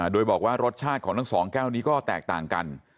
โดยบอกว่ารสชาติของทั้งสองแก้วนี้ก็แตกต่างกัน